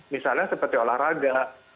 misalnya seperti olahraga